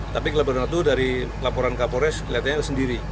tapi pelabuhan ratu dari laporan kapolres kelihatannya sendiri